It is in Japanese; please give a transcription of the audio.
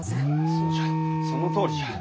そうじゃそのとおりじゃ。